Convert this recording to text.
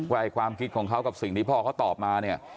ความคิดของเขากับสิ่งที่พ่อเขาตอบมาเนี่ย